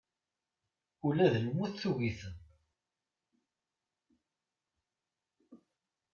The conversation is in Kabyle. Ula d lmut tugi-ten.